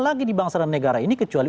lagi di bangsa dan negara ini kecuali